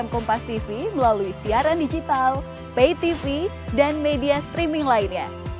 kompastv melalui siaran digital paytv dan media streaming lainnya